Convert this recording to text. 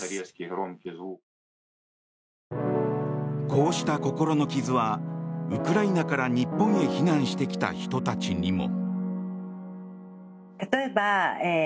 こうした心の傷はウクライナから日本へ避難してきた人たちにも。